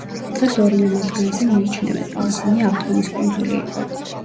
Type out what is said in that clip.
დღეს ორივე მათგანზე მიიჩნევენ, რომ ისინი აღდგომის კუნძული იყო.